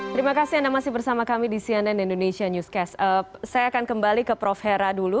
terima kasih anda masih bersama kami di cnn indonesia newscast saya akan kembali ke prof hera dulu